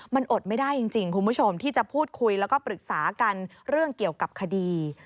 มันอดไม่ได้จริงคุณผู้ชมที่จะพูดคุยแล้วก็ปรึกษากันเรื่องเกี่ยวกับคดี